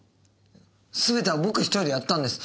すべては僕１人でやったんです。